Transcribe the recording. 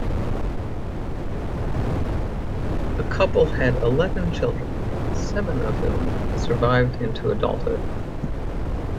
The couple had eleven children, seven of whom survived into adulthood.